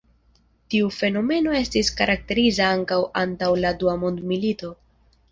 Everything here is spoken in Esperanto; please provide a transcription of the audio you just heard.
Tiu fenomeno estis karakteriza ankaŭ antaŭ la dua mondmilito.